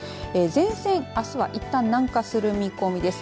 前線、あすはいったん南下する見込みです。